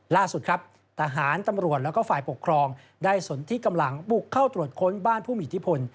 ล่าสุดครับทหารตำรวจแล้วก็ฝ่ายปกครองได้สนที่กำลังบุกเข้าตรวจค้นบ้านผู้มีอิทธิพล